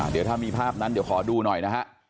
เดี๋ยวถ้ามีภาพนั้นเดี๋ยวขอดูหน่อยนะฮะ